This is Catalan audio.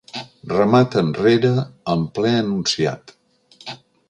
Remat enrere en ple enunciat.